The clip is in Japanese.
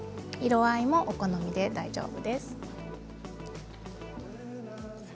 色合いもお好みで大丈夫です。